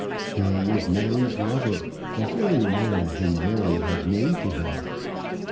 Here was Mary's lover, the very man whom Mary had named to him.